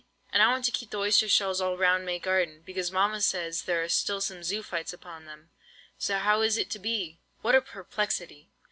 and I want to keep the oyster shells all round may garden, because mamma says there are still some zoophytes upon them. So how is it to be?" What a perplexity!